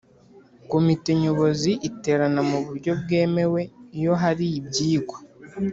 Komite Nyobozi iterana mu buryo bwemwe iyo hari ibyigwa